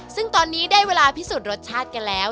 ซึ่งตอนนี้ได้เวลาพิสูจน์รสชาติกันแล้ว